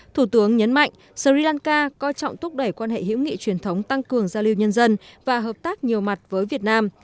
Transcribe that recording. thủ tướng nhấn mạnh sri lanka coi trọng thúc đẩy quan hệ hữu nghị truyền thống tăng cường giao lưu nhân dân và hợp tác nhiều mặt với việt nam